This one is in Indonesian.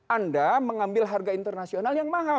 anda mengambil harga internasional yang mahal